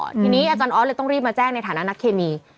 ทีนี้อาจารย์ออสเลยต้องรีบมาแจ้งในฐานะนักเคมี